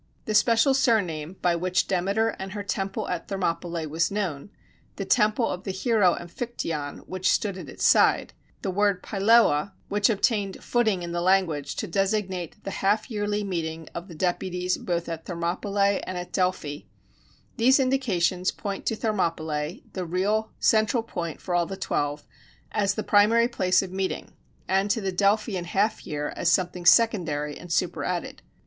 The special surname by which Demeter and her temple at Thermopylæ was known the temple of the hero Amphictyon which stood at its side the word Pyloea, which obtained footing in the language to designate the half yearly meeting of the deputies both at Thermopylæ and at Delphi these indications point to Thermopylæ (the real central point for all the twelve) as the primary place of meeting, and to the Delphian half year as something secondary and superadded.